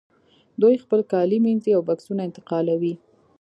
دوی خپل کالي مینځي او بکسونه انتقالوي